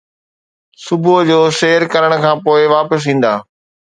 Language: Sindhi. صبح جو، سير ڪرڻ کان پوء واپس ايندا